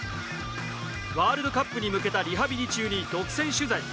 ワールドカップに向けたリハビリ中に独占取材。